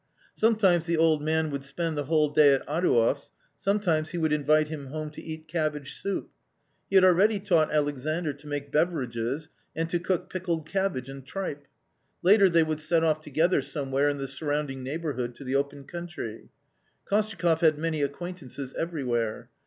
Sometimes the old man would spend the whole day at Adouev's, sometimes he would invite him home to eat cabbage soup. He had already taught Alexandr to make beverages and to cook pickled cabbage and tripe. Later they would set off together somewhere in the surrounding neighbourhood to the open country. Kostyakoff had many acquaintances everywhere.